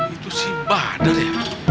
itu si badar ya